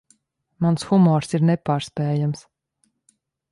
Mans humors ir nepārspējams.